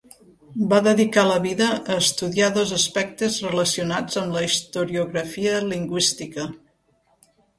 Va dedicar la vida a estudiar dos aspectes relacionats amb la historiografia lingüística.